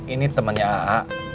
ini temennya aa